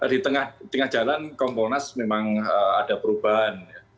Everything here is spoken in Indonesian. di tengah jalan kompolnas memang ada perubahan